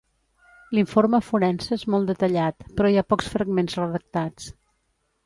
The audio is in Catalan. L'informe forense és molt detallat, però hi ha pocs fragments redactats.